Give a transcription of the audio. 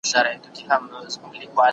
زه له سهاره ليکنه کوم!